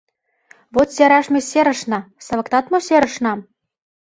Вот сераш ме серышна Савыктат мо серышнам?